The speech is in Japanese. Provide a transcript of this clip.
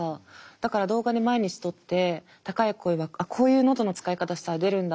だから動画に毎日撮って高い声はあっこういう喉の使い方したら出るんだっていう。